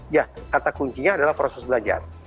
ya kata kuncinya adalah proses belajar